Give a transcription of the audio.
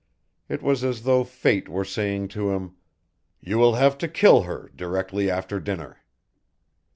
It was as though Fate were saying to him, "You will have to kill her directly after dinner."